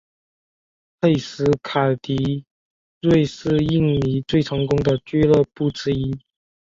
佩斯凯迪瑞是印尼最成功的俱乐部之一。